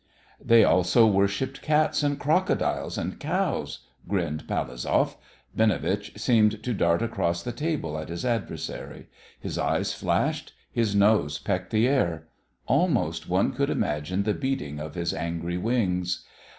"They also worshipped cats and crocodiles and cows," grinned Palazov. Binovitch seemed to dart across the table at his adversary. His eyes flashed; his nose pecked the air. Almost one could imagine the beating of his angry wings.